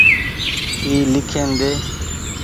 اي ليکين ۮي۔